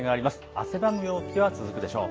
汗ばむ陽気は続くでしょう。